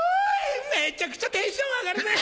めちゃくちゃテンション上がるぜ。